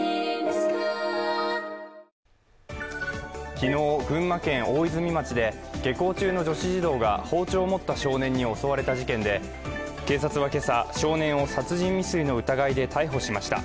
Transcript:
昨日、群馬県大泉町で下校中の女子児童が包丁を持った少年に襲われた事件で警察は今朝、少年を殺人未遂の疑いで逮捕しました。